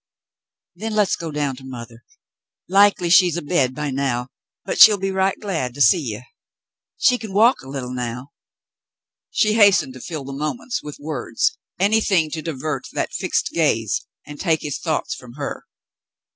"Then let's go down to mother. Likely she's a bed by now, but she'll be right glad to see you. She can walk a little now." She hastened to fill the moments with words, anything to divert that fixed gaze and take his thoughts from her.